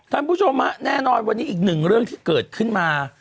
ท่านผู้ชมฮะแน่นอนวันนี้อีกหนึ่งเรื่องที่เกิดขึ้นมา